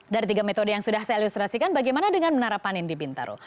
dari tiga metode yang sudah saya ilustrasikan bagaimana dengan menara panen di bintaro